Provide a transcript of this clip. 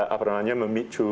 apa namanya memicu